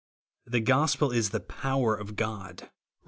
The gospel is "the power of God," (Rom.